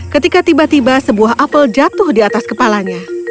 ketika tiba tiba sebuah apel jatuh di atas kepalanya